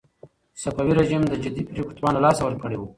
صفوي رژيم د جدي پرېکړو توان له لاسه ورکړی و.